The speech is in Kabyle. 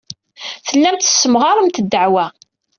Tellamt tessemɣaremt ddeɛwa.